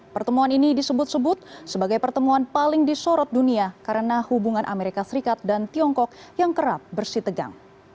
pertemuan ini disebut sebut sebagai pertemuan paling disorot dunia karena hubungan amerika serikat dan tiongkok yang kerap bersitegang